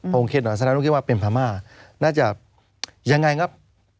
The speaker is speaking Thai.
ผมคิดหน่อยสนับทุกคนคิดว่าเป็นพระม่าน่าจะยังไงครับ